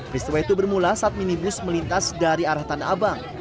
peristiwa itu bermula saat minibus melintas dari arah tanah abang